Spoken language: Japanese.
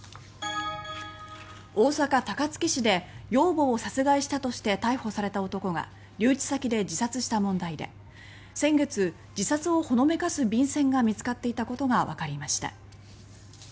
大阪・高槻市で養母を殺害したとして逮捕された男が留置先で自殺した問題で先月自殺をほのめかす便せんが見つかっていたことがわかりました。